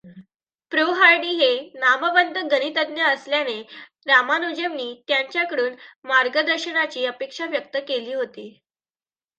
Pro. Hardy हे नामवंत गणितज्ञ असल्याने रामानुजमनी त्यांच्याकडून मार्गदर्शनाची अपेक्षा व्यक्त केली होती.